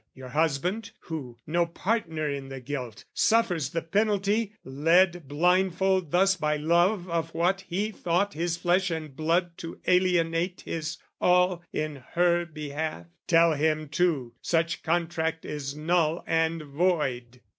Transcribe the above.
"Your husband who, no partner in the guilt, "Suffers the penalty, led blindfold thus "By love of what he thought his flesh and blood "To alienate his all in her behalf, "Tell him too such contract is null and void!